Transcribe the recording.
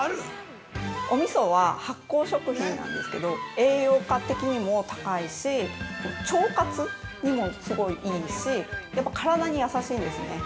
◆おみそは、発酵食品なんですけど、栄養価的にも高いし、腸活にもすごいいいし、やっぱ体に優しいんですね。